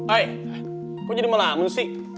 oi kok jadi malamu sih